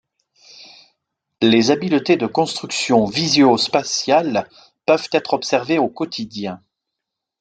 Les habiletés de construction visuo-spatiale peuvent être observées au quotidien.